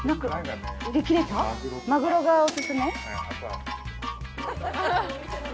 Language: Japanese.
マグロがお薦め？